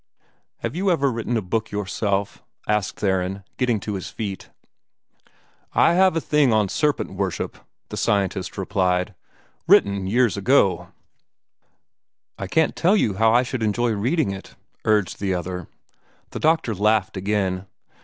"Have you never written a book yourself?" asked Theron, getting to his feet. "I have a thing on serpent worship," the scientist replied "written years ago." "I can't tell you how I should enjoy reading it," urged the other. The doctor laughed again.